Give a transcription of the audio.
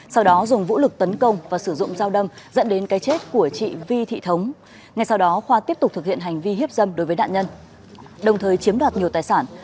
sau đó dùng vũ lực tấn công và sử dụng dao đâm dẫn đến cái chết của chị vi thị thống ngay sau đó khoa tiếp tục thực hiện hành vi hiếp dâm đối với nạn nhân đồng thời chiếm đoạt nhiều tài sản